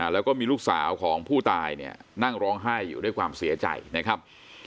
แล้วก็มีลูกสาวของผู้ตายเนี่ยนั่งร้องไห้อยู่ด้วยความเสียใจนะครับ